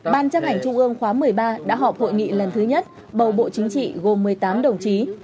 ban chấp hành trung ương khóa một mươi ba đã họp hội nghị lần thứ nhất bầu bộ chính trị gồm một mươi tám đồng chí